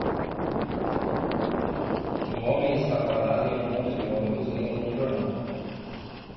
Um homem está parado em um ponto de ônibus lendo um jornal.